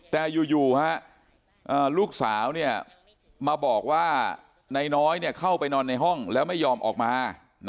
แต่อยู่ลูกสาวมาบอกว่านายน้อยเข้าไปนอนในห้องแล้วไม่ยอมออกมา